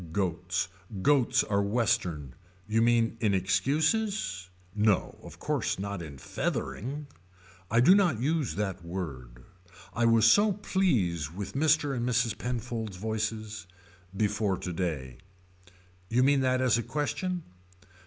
Goats. Goats are Western. You mean in excuses. No of course not in feathering. I do not use that word. I was so pleased with Mr. and Mrs. Penfold's voices. Before to day. You mean that as a question.